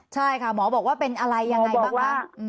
ใช่ค่ะหมอบอกว่าเป็นอะไรยังไงบ้างคะ